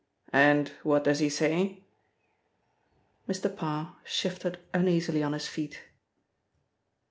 "And what does he say?" Mr. Parr shifted uneasily on his feet.